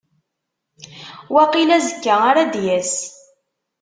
Waqil azekka ara d-yas.